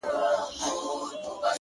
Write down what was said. ته مُلا په دې پېړۍ قال ـ قال کي کړې بدل،